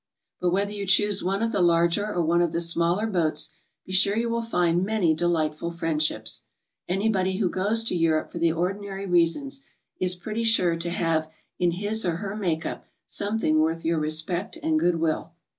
But whether you choose one of the larger or one of the smaller boats, be sure you will find many delightful friend ships. Anybody who goes to Europe for the ordinary reasons is pretty sure to have in his or her make p something worth your respect and good will.